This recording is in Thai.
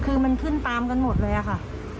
คือมันขึ้นตามกันหมดเลยอะค่ะ